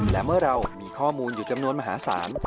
และเมื่อเรามีข้อมูลอยู่จำนวนมหาศาล